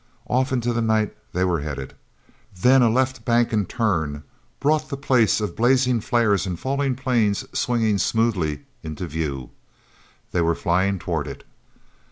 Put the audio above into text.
Off into the night they were headed. Then a left bank and turn brought the place of blazing flares and falling planes swinging smoothly into view; they were flying toward it.